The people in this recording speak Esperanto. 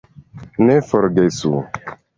Ne forgesu!